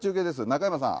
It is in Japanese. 中山さん。